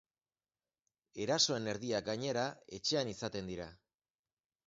Erasoen erdiak, gainera, etxean izaten dira.